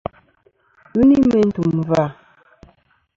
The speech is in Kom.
Ghɨ ni meyn tùm vâ.